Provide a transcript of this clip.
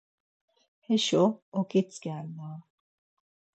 Heşo oǩitzǩelnan.